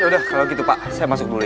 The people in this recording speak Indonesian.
udah kalau gitu pak saya masuk dulu ya